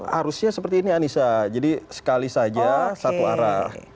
dan arusnya seperti ini anissa jadi sekali saja satu arah